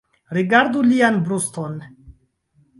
Rigardu lian bruston.